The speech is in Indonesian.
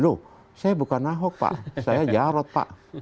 loh saya bukan ahok pak saya jarod pak